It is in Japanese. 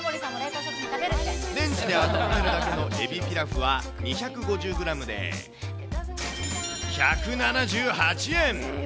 レンジで温めるだけのエビピラフは２５０グラムで１７８円。